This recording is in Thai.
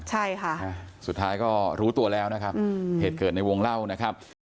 ใช่ค่ะสุดท้ายก็รู้ตัวแล้วนะครับเหตุเกิดในวงเล่านะครับ